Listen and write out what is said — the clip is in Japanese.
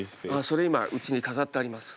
それ今うちに飾ってあります。